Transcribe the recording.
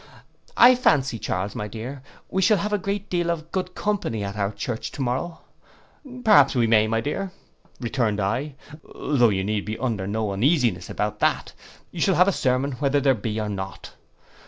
—'I fancy, Charles, my dear, we shall have a great deal of good company at our church to morrow,'—'Perhaps we may, my dear,' returned I; 'though you need be under no uneasiness about that, you shall have a sermon whether there be or not.